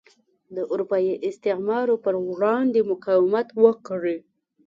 د اروپايي استعمار پر وړاندې مقاومت وکړي.